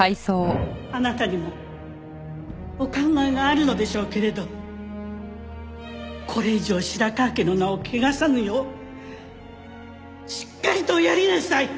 あなたにもお考えがあるのでしょうけれどこれ以上白河家の名を汚さぬようしっかりとおやりなさい！